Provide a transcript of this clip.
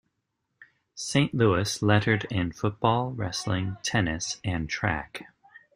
St.Louis lettered in football, wrestling, tennis, and track.